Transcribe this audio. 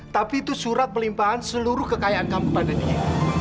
tapi itu surat melimpaan seluruh kekayaan kamu pada dia